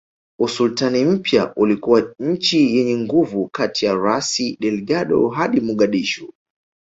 Usultani mpya ulikuwa nchi yenye nguvu kati ya Rasi Delgado hadi Mogadishu